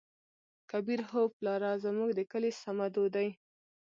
کبير : هو پلاره زموږ د کلي صمدو دى.